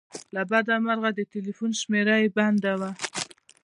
له بده مرغه د ټیلیفون شمېره یې بنده وه.